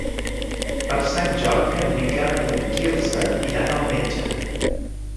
Per Sant Jordi en Miquel i en Quirze iran al metge.